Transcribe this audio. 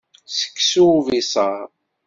Seksu ubiṣaṛ.